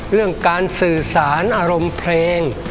เรื่องการสื่อสารอารมณ์เพลง